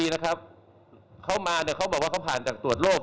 เพราะถือว่าคุณไม่มีความรับผิดชอบต่อสังคม